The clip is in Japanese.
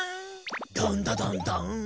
ダンダダンダン。